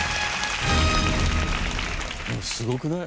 すごくない？